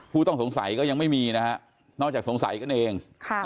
ผู้ต้องสงสัยก็ยังไม่มีนะฮะนอกจากสงสัยกันเอง